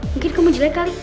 mungkin kamu jelek kali